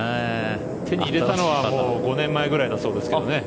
手に入れたのはもう５年前ぐらいだそうですけどね。